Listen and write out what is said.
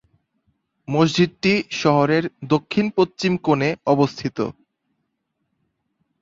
মসজিদটি শহরের দক্ষিণ-পশ্চিম কোণে অবস্থিত।